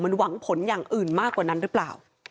มันหวังผลอย่างอื่นมากกว่านั้นหรือเปล่า